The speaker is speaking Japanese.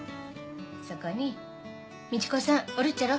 そこにみち子さんおるっちゃろ。